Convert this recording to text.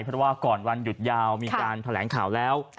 เพราะว่าก่อนวันหยุดยาวมีการแถลงข่าวแล้ว